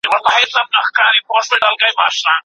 آیا ته غواړې چې د پوهې په لاره ولاړ سې؟